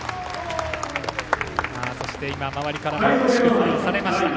そして周りからも祝福されました。